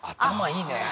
頭いいね。